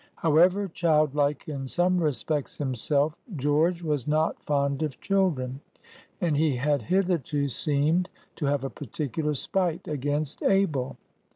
However childlike in some respects himself, George was not fond of children, and he had hitherto seemed to have a particular spite against Abel.